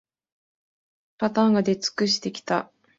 パターンが出尽くしてきた